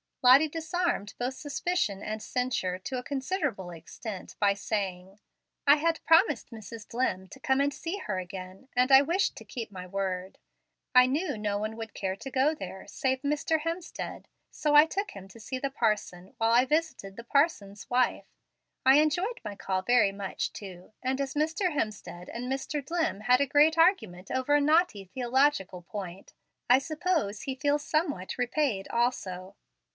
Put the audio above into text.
Lottie disarmed both suspicion and censure to a considerable extent by saying, "I had promised Mrs. Dlimm to come and see her again, and wished to keep my word. I knew no one would care to go there save Mr. Hemstead, so I took him to see the parson while I visited the parson's wife. I enjoyed my call very much, too; and as Mr. Hemstead and Mr. Dlimm had a great argument over a knotty theological point, I suppose he feels somewhat repaid also."